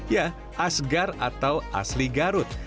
ya asgar atau asli garut